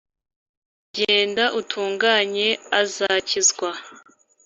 Ugenda atunganye azakizwa